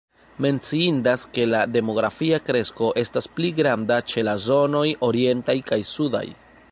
Menciindas ke la demografia kresko estis pli granda ĉe la zonoj orientaj kaj sudaj.